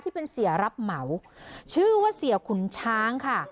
ที่เป็นเสียรับเหมาชื่อว่าเสียขุนช้างค่ะ